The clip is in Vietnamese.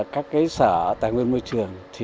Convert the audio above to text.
các sở tài nguyên môi trường